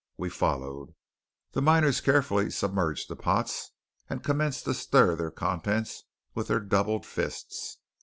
We followed. The miners carefully submerged the pots, and commenced to stir their contents with their doubled fists.